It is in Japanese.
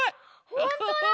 ほんとだ！